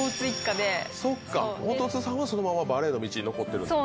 そっか弟さんはそのままバレーの道に残ってるんだ。